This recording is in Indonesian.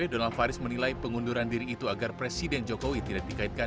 donald faris menilai pengunduran diri itu agar presiden jokowi tidak dikaitkan